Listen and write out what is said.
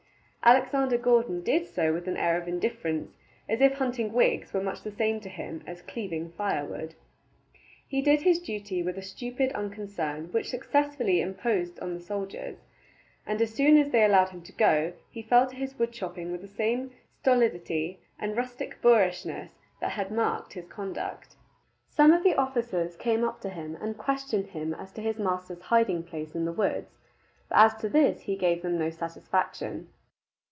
Alexander Gordon did so with an air of indifference, as if hunting Whigs were much the same to him as cleaving firewood. He did his duty with a stupid unconcern which successfully imposed on the soldiers; and as soon as they allowed him to go, he fell to his wood chopping with the same stolidity and rustic boorishness that had marked his conduct. Some of the officers came up to him and questioned him as to his master's hiding place in the woods. But as to this he gave them no satisfaction.